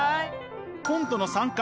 コントの参加